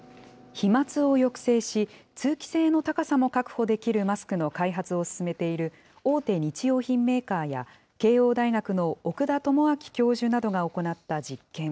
飛まつを抑制し、通気性の高さも確保できるマスクの開発を進めている大手日用品メーカーや慶応大学の奥田知明教授などが行った実験。